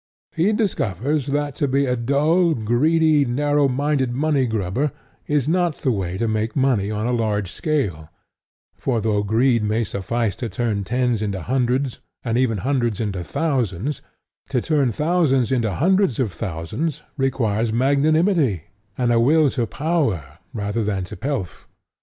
He discovers that to be a dull, greedy, narrow minded money grubber is not the way to make money on a large scale; for though greed may suffice to turn tens into hundreds and even hundreds into thousands, to turn thousands into hundreds of thousands requires magnanimity and a will to power rather than to pelf.